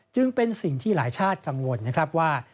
จึงเป็นสิ่งที่หลายชาติกังวลนะครับว่า